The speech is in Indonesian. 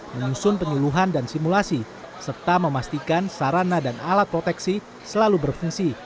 menyusun penyeluhan dan simulasi serta memastikan sarana dan alat proteksi selalu berfungsi